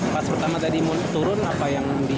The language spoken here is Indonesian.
pas pertama tadi turun apa yang di